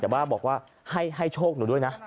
แต่ว่าบอกว่าให้โชคหนูด้วยนะ